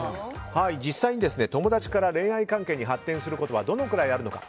実際に友達から恋愛関係に発展することはどのくらいあるのか。